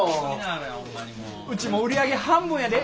ウチも売り上げ半分やで。